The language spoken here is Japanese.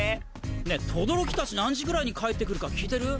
ねえ轟たち何時ぐらいに帰って来るか聞いてる？